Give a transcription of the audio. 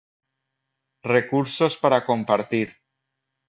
Recursos para compartir